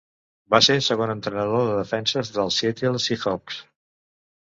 Va ser segon entrenador de defenses dels Seattle Seahawks.